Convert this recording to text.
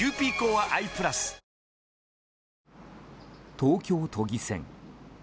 東京都議選。